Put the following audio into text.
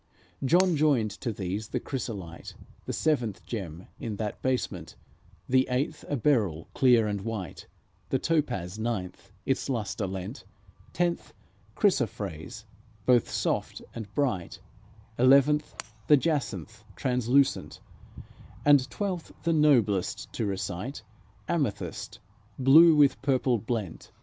John joined to these the chrysolite, The seventh gem in that basement; The eighth, a beryl, clear and white; The topaz, ninth, its luster lent; Tenth, chrysophrase, both soft and bright; Eleventh, the jacinth, translucent; And twelfth, and noblest to recite, Amethyst, blue with purple blent.